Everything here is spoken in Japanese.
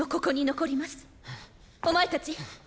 お前たち！